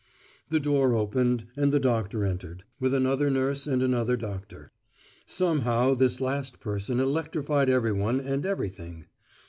The door opened, and the doctor entered, with another nurse and another doctor. Somehow this last person electrified everyone and everything.